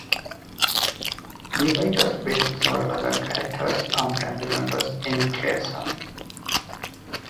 The writers based several other characters on family members in Kherson.